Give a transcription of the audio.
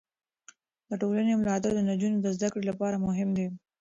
د ټولنې ملاتړ د نجونو د زده کړې لپاره مهم دی.